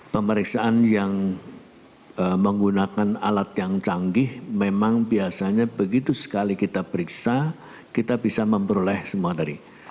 pemeriksaan yang menggunakan alat yang canggih memang biasanya begitu sekali kita periksa kita bisa memperoleh semua tadi